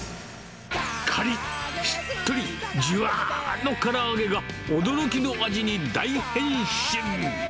かりっ、しっとり、じゅわーのから揚げが、驚きの味に大変身。